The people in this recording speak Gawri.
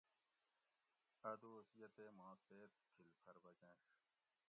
اٞ دوس یہ تے ماں سیت تھِل پر بچنش